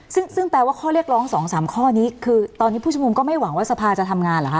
ซึ่งแปลว่าข้อเรียกร้อง๒๓ข้อนี้คือตอนนี้ผู้ชมนุมก็ไม่หวังว่าสภาจะทำงานเหรอคะ